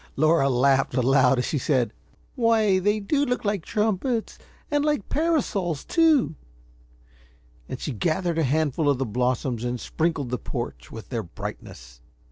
Laura laughed aloud as she said: "Why, they do look like trumpets, and like parasols, too;" and she gathered a handful of the blossoms and sprinkled the porch with their brightness.